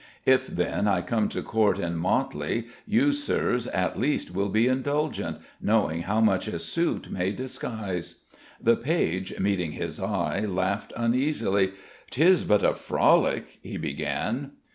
If then I come to Court in motley, you, Sirs, at least will be indulgent, knowing how much a suit may disguise." The page, meeting his eye, laughed uneasily. "'Tis but a frolic " he began.